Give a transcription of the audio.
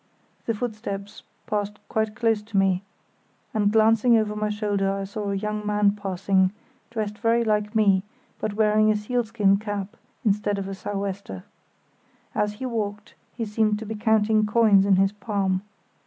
The footsteps passed quite close to me, and glancing over my shoulder I saw a young man passing, dressed very like me, but wearing a sealskin cap instead of a sou' wester. As he walked he seemed to be counting coins in his palm.